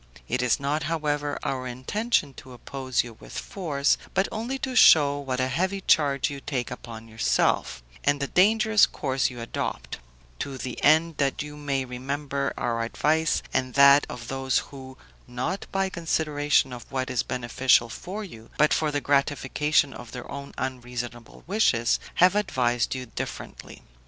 It is not, however, our intention to oppose you with force, but only to show what a heavy charge you take upon yourself, and the dangerous course you adopt; to the end that you may remember our advice and that of those who, not by consideration of what is beneficial for you, but for the gratification of their own unreasonable wishes, have advised you differently.